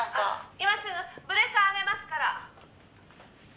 「今すぐブレーカー上げますから」